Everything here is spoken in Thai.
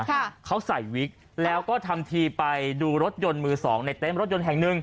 ค่ะเขาใส่วิกแล้วก็ทำทีไปดูรถยนต์มือสองในเต้นรถยนต์แห่งหนึ่ง